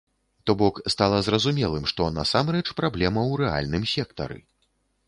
То бок стала зразумелым, што насамрэч праблема ў рэальным сектары.